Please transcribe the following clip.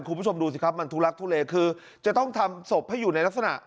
คุณผู้ชมดูสิครับมันทุลักทุเลคือจะต้องทำศพให้อยู่ในลักษณะ